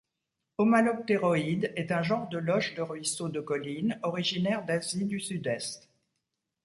Homalopteroides est un genre de loches de ruisseaux de colline originaire d'Asie du Sud-Est.